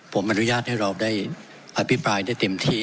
ผมอนุญาตให้เราได้อภิปรายได้เต็มที่